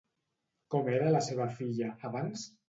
Com era la seva filla, abans?